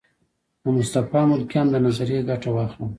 مصطفی ملکیان نظریې ګټه واخلم.